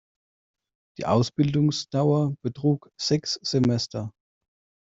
Die Ausbildungsdauer betrug sechs Semester.